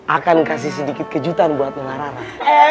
akan kasih sedikit kejutan buat nona rara